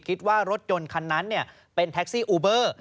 คิดว่ารถยนต์คันนั้นเป็นแท็กซี่อูเบอร์